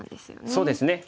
そうですね。